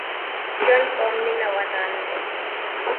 ژوند په مينه ودان دې